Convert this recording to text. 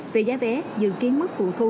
về giá vé dự kiến mức phụ thu